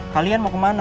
kalian mau kemana